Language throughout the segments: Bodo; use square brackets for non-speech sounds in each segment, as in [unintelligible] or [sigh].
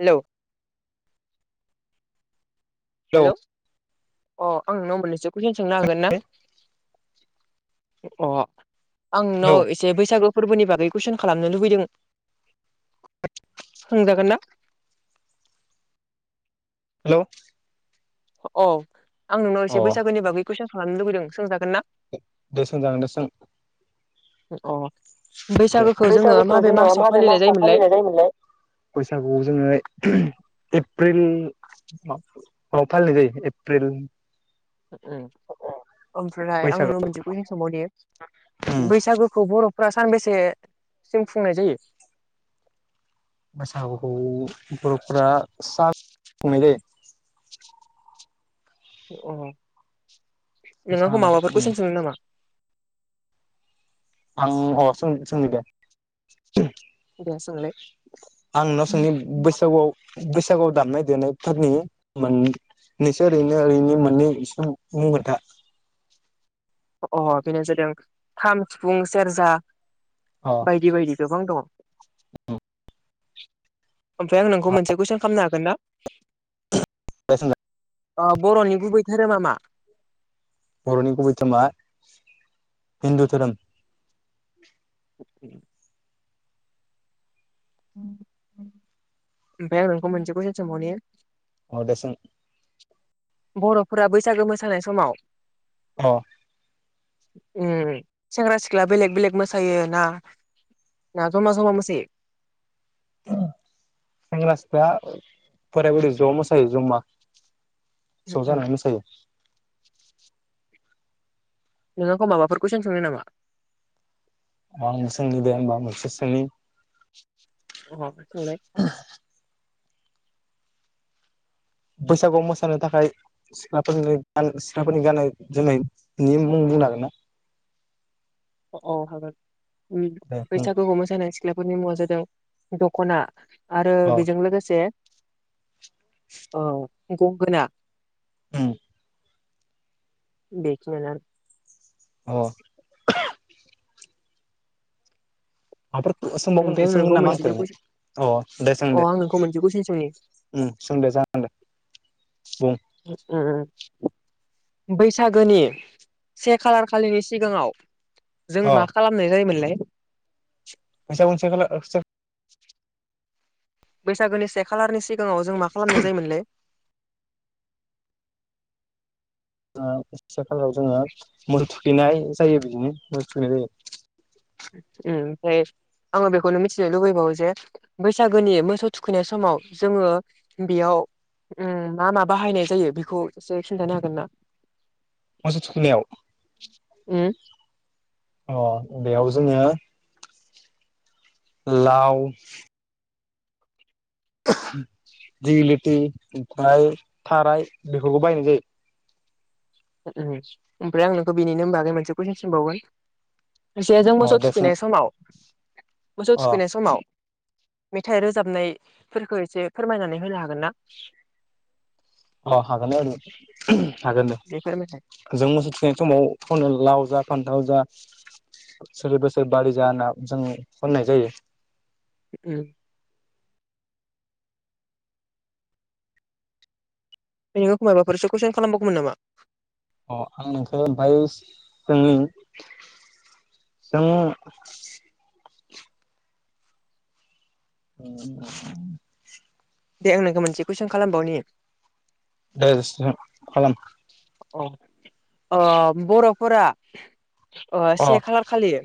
हेलौ। हेलौ अ आं नोंनाव मोननैसो कुइसन सोंनो हागोन ना? अ आं हेलौ नोंनाव एसे बैसागो फोरबोनि बागै कुइसन खालामनो लुबैदों। सोंजागोन ना? हेलौ। अह आं नोंनाव अ एसे बैसागोनि बागै कुइसन खालामनो लुुबैदों सोंजागोन ना? दे सों जागोनदे सों। अह। बैसागुखौ जोङो माबे मासाव फालिनाय जायोमोनलाय? बैसागुआव जोङो एप्रिल आव फालिनाय जायो एप्रिल। उम। ओमफ्राय आं नुनो बैसागो मोनसे कुइसन सोंबावनि बैसागोखौ बर' फोरा सानबेसेसिम फुंनाय जायो? [unintelligible] अह नों आंखौ साहालागै माबाफोर कुइसन सोंनो नामा? आं अ सोंनिदे? दे सोंलाय आं नाव सोंनि बैसागुआव बैसागुआव दामनाय देनायफोरनि मोननैसो ओरैनो ओरै मोननैसो मुं खोनथा अ बेनो जादों खाम, सिफुं, सेरजा, अ बायदि बायदि गोबां दङ। ओमफ्राय आं नोंखौ मोनसे कुइसन खालामनो हागोन ना बर'नि गुबै धोरोमा मा? बर'नि गुबै धोरोमा हिन्दु धोरोम। औ ओमफाय मोनसे कुइसन सोंबावनि। अ दे सों? बर'फोरा बैसागो मोसानाय समाव अ उ सेंग्रा सिख्ला बेलेग बेलेग मोसायो ना ना जमा जमा मोसायो। [inaudible] ज जानानै मोसायो। नों आखौ माबाफोरखौसों सोंनो नामा? [inaudible] [unintelligible] बैसागु मोसानो थाखाय सिख्लाफोरनि ग सिख्लाफोरनि गाननाय जोमनायनि मुं बुंनो हागोनना। औ हागोन दे बुं बैसागुखौ मोसानाय सिख्ला फोरनि मुङा जादों दख'ना आरो अ बेजों लोगोसे औ गंगोना उम बेखिनिआनो अ माबाफोरफोरखौ आरो ओमफ्राय सोंबावगोन आं सोंगोन नोंखौ नामा आंखौ? मोनसेसो कुइसन अ दे सों अ दे आं नोंखौ मोनसे कुइसन सोंनि सों दे जागोन दे। बुं उम बैसागोनि से खालार खालिनि सिगाङाव जों अ मा खालामनाय जायोमोनलाय [inaudible] [inaudible] बैसागोनि से खालारनि सिगाङाव जों मा खालामनाय जायोमोनलै? से खालाराव जोङो मोसौ थुखैनाय जायो बिदिनो मोसौ थुखैनाय जायो। उम ओमफ्राय आङो बेखौनो मिथिनो लुबैबावो जे बैसागोनि मोसौ थुखैनाय समाव जोङो बेयाव उम मा मा बाहायनाय जायो बेखौ एसे खिन्थानो हागोन ना? मोसौ थुखैनायाव। हो अ बेयाव जोङो। लाउ [inaudible] दिगिति ओमफ्राय थाराय बेफोरखौ बायनाय जायो। ओमफ्राय आं नोंखौ बिनिनो बागै मोनसे कुइसन सोंबावगोन [unintelligible] जों अ मोसौ दे सों थुखैनाय समाव मोसौ अ थुखैनाय समाव मेथाइ रोजाबनायफोरखौ एसे फोरमायनानै होनो हागोन ना? अ हागोन हागोन दे बे फोरमायनाय जों मोसौ थुखैनाय समाव खनो लाव जा फान्थाव जा सोलि बोसोर बारि जा होना जों खननाय जायो। उम नों आंखौ माबाफोरसो कुइसन खालामबावगौमोन नामा? अ आं नोंखौ बाय जोंनि जों [unintelligible] दे आं नोंखौ मोनसे कुइसन खालामबावनि दे सों खालाम औ ओ बर'फोरा ओ अ से खालार खालियो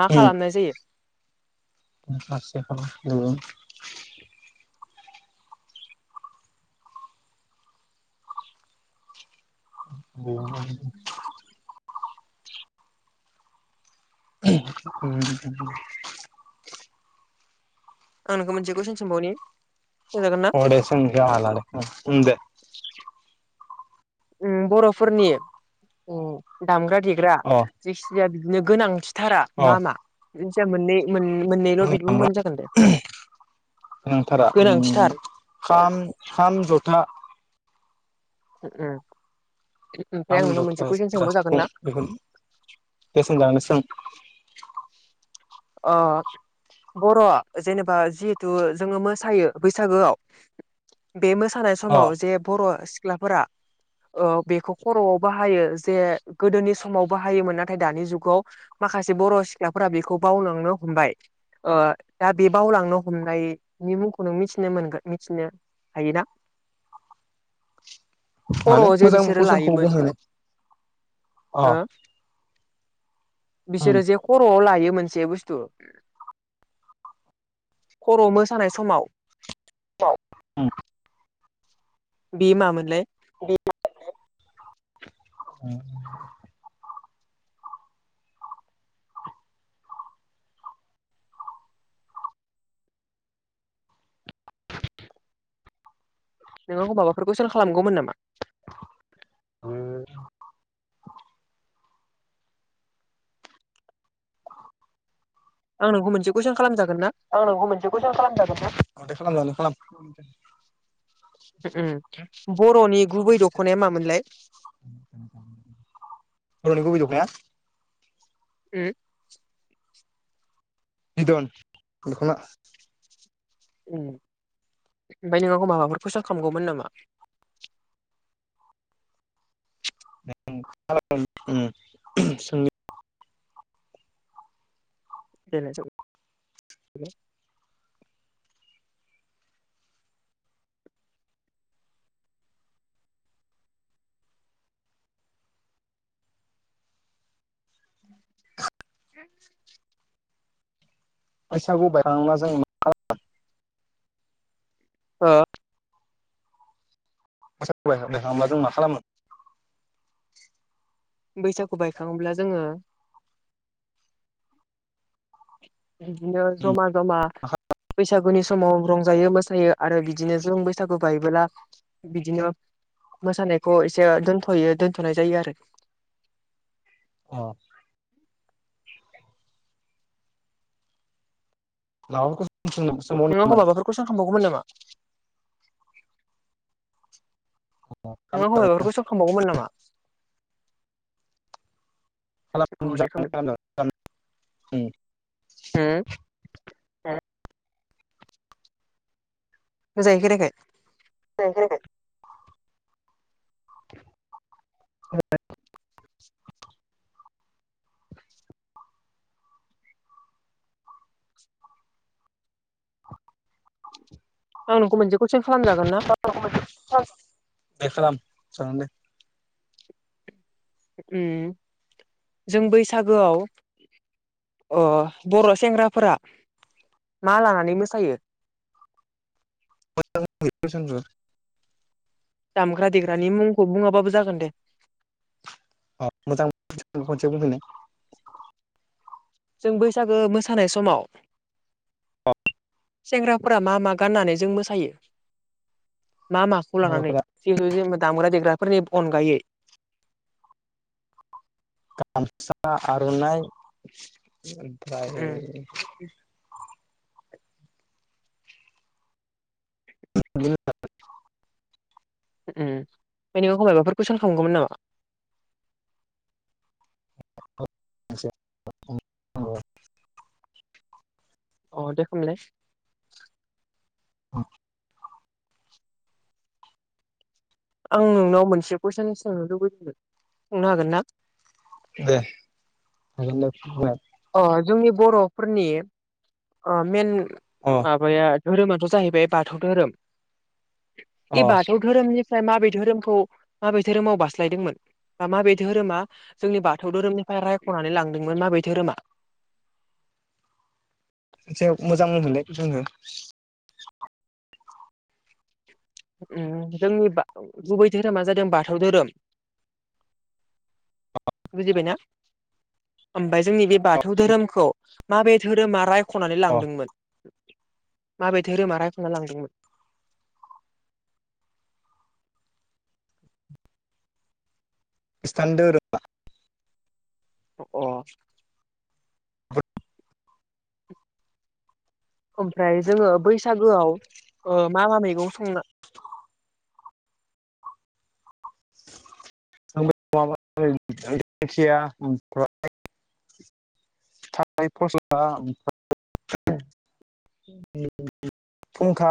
मा खालामनाय जायो? से खालार खालि [unintelligible] [unintelligible] आं नोंखौ मोनसे कुइसन सोंबावनि? सोंजागोन ना अ दे सों इखो हालादे आं उम दे उम बर'फोरनि उम दामग्रा देग्रा अ जिखिजाया बिदिनो गोनांथिथारा अ मा मा जिखिजाया मोननै मोन मोनैल बिद बुंबानो जागोन दे? गोनांथारा उम गोनांथिथार खाम खाम जथा उम ओमफ्राय आं खाम नोंनाव मोनसे कुइसन सोंबाव जागोन ना? दे सोंजागोन सों अ बर'आ जेनेबा जिहेथु जोङो मोसायो बैसागोआव बे मोसानाय अ समाव जे बर' सिख्लाफोरा ओ बेखौ खर'आव बाहायो जे गोदोनि समाव बाहायोमोन नाथाय दानि जुगाव माखासे बर' सिख्लाफोरा बेखौ बावलांनो हमबाय ओ दा बे बावलांनो हमनायनि मुंखौ नों मिथिनो मोनगोन मिथिनो हायोना? माने खर'आव जे मोजां बिसोरो कुइसनखौ लायोमोन बुंहैनाय अ हो उम बिसोरो जे खर'आव लायो मोनसे बुस्तु खर' मोसानाय समाव उम बि मामोनलाय? बि [unintelligible] नों आंखौ माबाफोरखौ सेल खालामगौमोन नामा? [unintelligible] [unintelligible] आं नोंखौ मोनसे कुइसन खालामजाग आं नोंखौ मोनसे कुइसन खालामजागोना अ दे खालाम जागोन खालाम [unintelligible] बर'नि गुबै दख'नाया मामोनलाय? बर'नि गुबै दख'नाया उम बिदन दख'ना उम ओमफ्राय नों आंखौ माबाफोर कुइसन खालामगौमोन नामा? [unintelligible] [unintelligible] [unintelligible] फैसाखौ बायलांला जोंङो मा [unintelligible] हो [unintelligible] जों मा खालामो बैसागु बायखाङोब्ला जोङो बिदिनो उम जमा जमा अ बैसागुनि समाव रंजायो मोसायो आरो बिदिनो जों बैसागु बायोबोला बिदिनो मोसानायखौ एसे दोनथ'यो दोनथ'नाय जायो आरो। [inaudible] अ नोंङो एखमबा माबाफोर कुइसन [unintelligible] खालामबावगौमोन नामा नों हबा बेफोरखौ सोंखांबावगौमोन नामा? खालाम [unintelligible] उम अ दे मोजायै खोनायाखै [inaudible] [unintelligible] आं नोंखौ मोनसे कुइसन खालामजागोन ना [unintelligible] बेग खालाम जागोनदे उम जों बैसागोआव अ बर' सेंग्राफोरा मा लानानै मोसायो? [inaudible] [unintelligible] दामग्रा देग्रानि मुंखौ बुङाबाबो जागोन दे। अ मोजां [unintelligible] खेबसे बुंफिननाय जों बैसागो मोसानाय समाव सेंग्राफोरा मा मा गाननानै जों मोसायो? मा माखौ लानानै बर'फोरा जिहेथु जे दामग्रा देग्रा फोरनि अनगायै [inaudible] गामसा आर'नाइ उम ओमफ्राय [unintelligible] उम ओमफाय नों आंखौ माबाफोर कुइसन खालामगौमोन नामा? [inaudible] अ दे खामलाय औ आं नोंनाव मोनसे कुइसन सोंनो लुबैदों सोंनो हागोन ना? दे हागोन दे [unintelligible] अ जोंनि बर'फोरनि ओ मेन अ माबाया धोरोमाथ' जाहैबाय बाथौ धोरोम। अ बे बाथौ धोरोमनि फ्राय माबे धोरोमखौ माबै धोरोमाव बास्लायदोंमोन बा माबे धोरोमा जोंनि बाथौ धोरोमनिफ्राय रायख'नानै लांदोंमोन माबे धोरोमा? [inaudible] खेबसे मोजां होनफिनलाय कुइसनखो उम जोंनि गुबै धोरोमा जादों बाथौ धोरोम बुजिबायना ओमफ्राय जोंनि बे बाथौ धोरोमखौ माबे धोरोमा रायख'नानै अ लांदोंमोन माबे धोरोमा रायख'ना लांदोंमोन खृस्तान धोरोमआ अ [inaudible] ओमफ्राय जोङो बैसागोआव मा मा मैगं संनो [inaudible] [unintelligible] [unintelligible] फुंखा